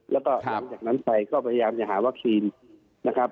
แล้วก็หลังจากนั้นไปก็พยายามจะหาวัคซีนนะครับ